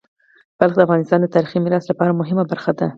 بلخ د افغانستان د تاریخی میراث لپاره مهمه برخه ده.